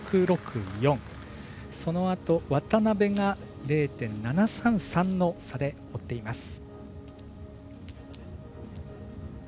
そのあと渡部が０．７３３の差で追っています。